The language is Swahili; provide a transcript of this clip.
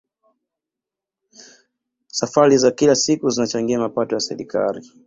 safari za kila siku zinachangia mapato ya serikali